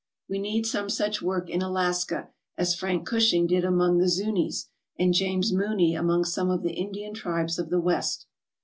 We need some such work in Alaska as Frank Gushing did among the Zunis and James Mooney among some of the Indian tribes of the West.